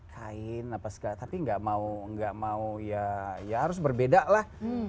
kain apa segala tapi gak mau gak mau ya harus berbeda lah